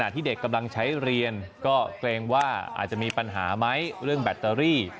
ที่เด็กกำลังใช้เรียนก็เกรงว่าอาจจะมีปัญหาไหมเรื่องแบตเตอรี่